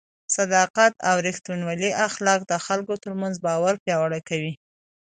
د صداقت او رښتینولۍ اخلاق د خلکو ترمنځ باور پیاوړی کوي.